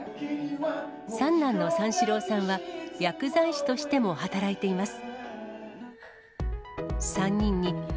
三男のサンシローさんは、薬剤師としても働いています。